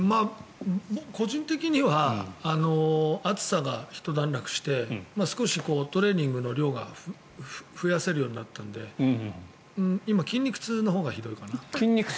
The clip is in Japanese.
個人的には暑さがひと段落して少しトレーニングの量が増やせるようになったので今、筋肉痛のほうがひどいかな。